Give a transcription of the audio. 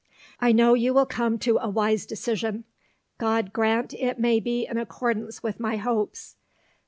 I know you will come to a wise decision. God grant it may be in accordance with my hopes!